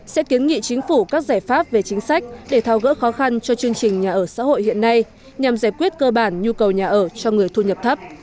sẽ kiến nghị chính phủ các giải pháp về chính sách để thao gỡ khó khăn cho chương trình nhà ở xã hội hiện nay nhằm giải quyết cơ bản nhu cầu nhà ở cho người thu nhập thấp